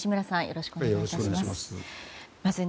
よろしくお願いします。